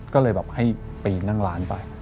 ก็เลยแบบให้ปีนนั่งร้านไป